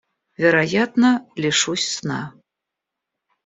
Вероятно — лишусь сна.